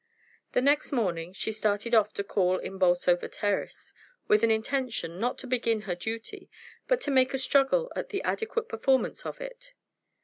The next morning she started off to call in Bolsover Terrace with an intention, not to begin her duty, but to make a struggle at the adequate performance of it.